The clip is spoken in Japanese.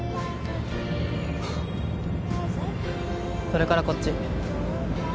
それからこっち。